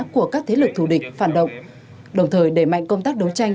của các thế lực thù địch phản động đồng thời đẩy mạnh công tác đấu tranh